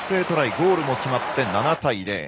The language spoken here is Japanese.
ゴールも決まって７対０。